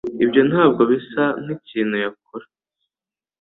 Ibyo ntabwo bisa nkikintu yakora.